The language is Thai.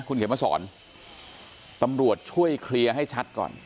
คุณเขียนมาสอนตำรวจช่วยเคลียร์ให้ชัดก่อน